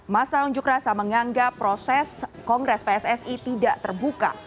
masa unjuk rasa menganggap proses kongres pssi tidak terbuka